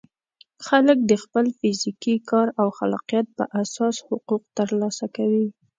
خلک د خپل فزیکي کار او خلاقیت په اساس حقوق ترلاسه کوي.